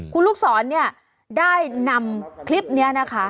คุณลูกศรเนี่ยได้นำคลิปนี้นะคะ